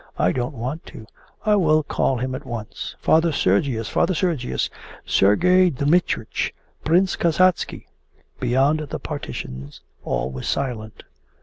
I don't want to. I will call him at once.' 'Father Sergius, Father Sergius! Sergey Dmitrich! Prince Kasatsky!' Beyond the partition all was silent.